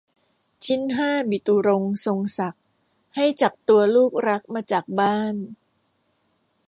ชิ้นห้าบิตุรงค์ทรงศักดิ์ ให้จับตัวลูกรักมาจากบ้าน